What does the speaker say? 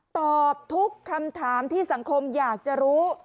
ตอบทุกคำถามที่สังคมอยากจะรู้